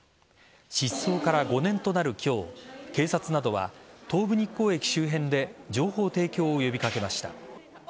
失踪から５年となる今日警察などは東武日光駅周辺で情報提供を呼び掛けました。